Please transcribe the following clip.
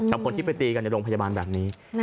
กับคนที่ไปตีกันในโรงพยาบาลแบบนี้